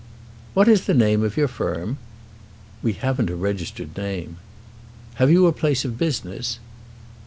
"What is the name of your firm?" "We haven't a registered name." "Have you a place of business?"